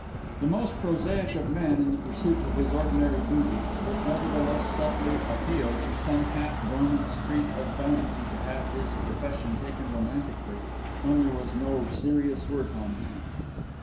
The most prosaic of men in the pursuit of his ordinary duties, it nevertheless subtly appealed to some half dormant streak of vanity to have his profession taken romantically when there was no serious work on hand.